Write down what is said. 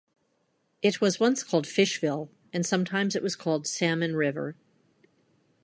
It was once called "Fishville" and sometimes it was called "Salmon River".